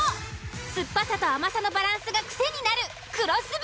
酸っぱさと甘さのバランスが癖になる黒酢豚。